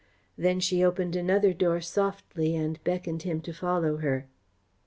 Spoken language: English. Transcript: Then she opened another door softly and beckoned him to follow her.